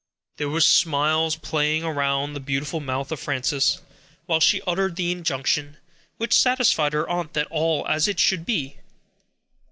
There was a smile playing around the beautiful mouth of Frances, while she uttered this injunction, which satisfied her aunt that all was as it should be.